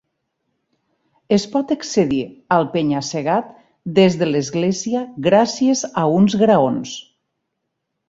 Es pot accedir al penya-segat des de l'església gràcies a uns graons.